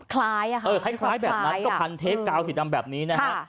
คล้ายอะฮะเออคล้ายแบบนั้นก็พันเทปกาวสีดำแบบนี้นะฮะค่ะ